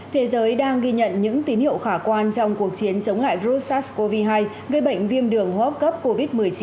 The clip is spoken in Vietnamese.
thế giới đang ghi nhận những tín hiệu khả quan trong cuộc chiến chống lại virus sars cov hai gây bệnh viêm đường hô hấp cấp covid một mươi chín